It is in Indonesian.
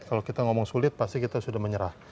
kalau kita ngomong sulit pasti kita sudah menyerah